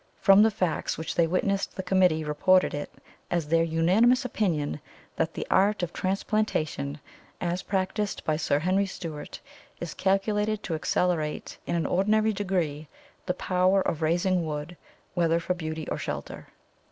From the facts which they witnessed the committee reported it as their unanimous opinion that the art of transplantation, as practised by Sir Henry Steuart, is calculated to accelerate in an extraordinary degree the power of raising wood, whether for beauty or shelter."